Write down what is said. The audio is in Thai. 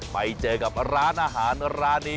ไปเจอกับร้านอาหารร้านนี้